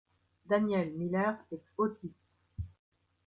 Daniel Miller est autiste.